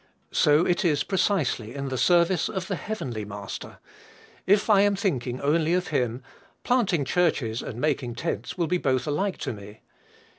So it is precisely in the service of the heavenly Master: if I am thinking only of him, planting churches and making tents will be both alike to me.